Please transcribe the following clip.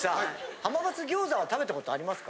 浜松餃子は食べたことありますか。